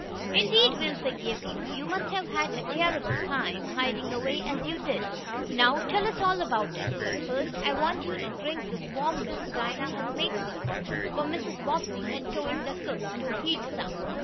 "Indeed we'll forgive you. You must have had a terrible time, hiding away as you did. Now tell us all about it. But first I want you to drink this warm milk Dinah has made for you," for Mrs. Bobbsey had told the cook to heat some.